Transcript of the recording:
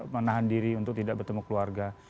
menahan diri untuk tidak bertemu keluarga